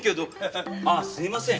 ああすいません